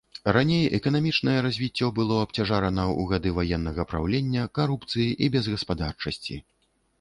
Раней эканамічнае развіццё было абцяжарана ў гады ваеннага праўлення, карупцыі і безгаспадарчасці.